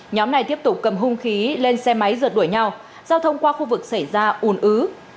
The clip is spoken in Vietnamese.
nhóm này tiếp tục cầm hung khí lên xe máy rượt đuổi nhau giao thông qua khu vực xảy ra ủn ứ